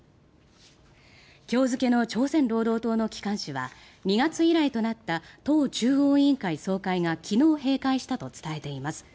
今日付の朝鮮労働党の機関紙は２月以来となった党中央委員会総会が昨日、閉会したと伝えています。